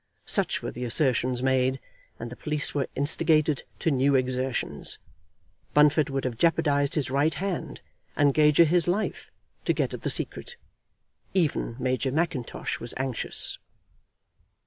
Such were the assertions made, and the police were instigated to new exertions. Bunfit would have jeopardised his right hand, and Gager his life, to get at the secret. Even Major Mackintosh was anxious.